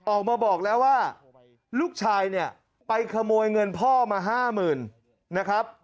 ออกมาบอกแล้วว่าลูกชายเนี่ยไปขโมยเงินพ่อมา๕๐๐๐นะครับ